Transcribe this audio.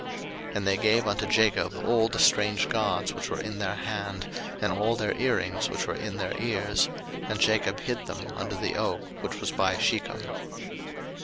01:035:004 And they gave unto Jacob all the strange gods which were in their hand, and all their earrings which were in their ears; and Jacob hid them under the oak which was by Shechem.